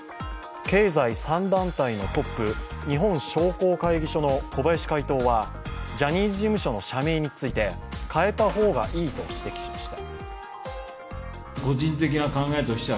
経済３団体のトップ、日本商工会議所の小林会頭はジャニーズ事務所の社名について変えた方がいいと指摘しました。